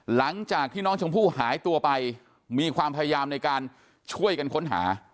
หลังจากที่น้องชมพู่หายตัวไปมีความพยายามในการช่วยกันค้นหา